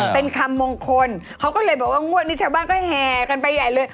เป็นคำมงคลเขาก็เลยบอกว่างวดนี้ชาวบ้านก็แห่กันไปใหญ่เลย